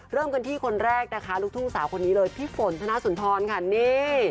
เริ่มกันที่คนแรกนะคะลูกทุ่งสาวคนนี้เลยพี่ฝนธนสุนทรค่ะนี่